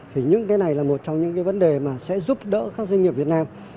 thì những cái này là một trong những cái vấn đề mà sẽ giúp đỡ các doanh nghiệp việt nam